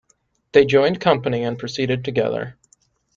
They joined company and proceeded together.